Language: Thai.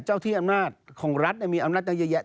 เจ้าที่อำนาจของรัฐเนี่ยมีอำนาจใหญ่